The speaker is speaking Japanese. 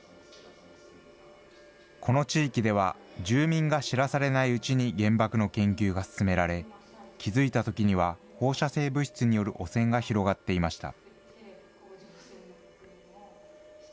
この地域では、住民が知らされないうちに原爆の研究が進められ、気付いたときには放射性物質による汚染が広がっていました。